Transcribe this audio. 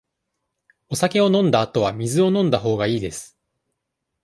お酒を飲んだあとは、水を飲んだほうがいいです。